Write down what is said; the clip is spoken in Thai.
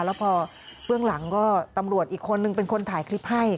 แล้วพอเบื้องหลังก็ตำรวจอีกคนนึงเป็นคนถ่ายคลิปให้